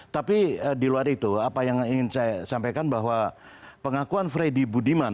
tapi di luar itu apa yang ingin saya sampaikan bahwa pengakuan freddy budiman